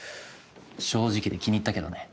正直で気に入ったけどね。